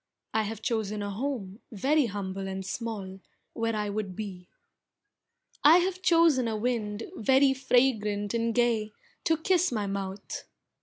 I have chosen a home very humble and small, Where I would be. I have chosen a wind very fragrant and gay, To kiss my mouth.